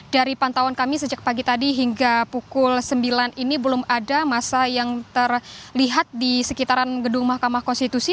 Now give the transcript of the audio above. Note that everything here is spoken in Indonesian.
dari pantauan kami sejak pagi tadi hingga pukul sembilan ini belum ada masa yang terlihat di sekitaran gedung mahkamah konstitusi